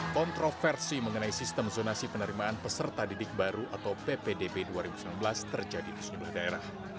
kontroversi mengenai sistem zonasi penerimaan peserta didik baru atau ppdb dua ribu sembilan belas terjadi di seluruh daerah